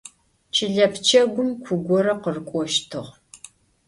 Чылэ пчэгум ку горэ къырыкӏощтыгъ.